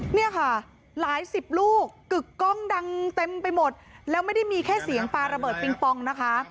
เนี่ยค่ะหลายสิบลูกกึกกล้องดังเต็มไปหมดแล้วไม่ได้มีแค่เสียงปลาระเบิดปิงปองนะคะ